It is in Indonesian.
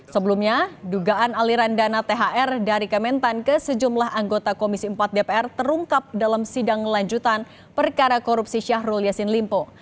sebelumnya dugaan aliran dana thr dari kementan ke sejumlah anggota komisi empat dpr terungkap dalam sidang lanjutan perkara korupsi syahrul yassin limpo